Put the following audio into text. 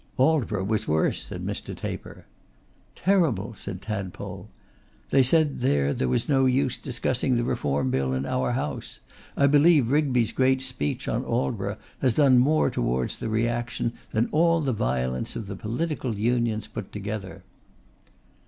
'Aldborough was worse,' said Mr. Taper. 'Terrible,' said Tadpole. 'They said there was no use discussing the Reform Bill in our House. I believe Rigby's great speech on Aldborough has done more towards the reaction than all the violence of the Political Unions put together.